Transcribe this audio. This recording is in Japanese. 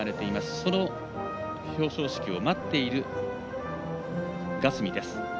その表彰式を待っているガスミ。